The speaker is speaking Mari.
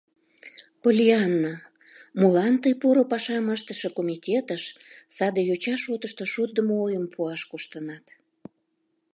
Поллианна, молан тый поро пашам ыштыше комитетыш саде йоча шотышто шотдымо ойым пуаш коштынат?